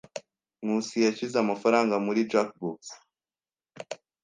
Nkusi yashyize amafaranga muri jukebox.